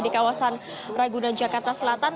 di kawasan ragunan jakarta selatan